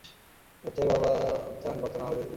বাচ্চার বাবা চান না বাচ্চা বেঁচে থাকুক।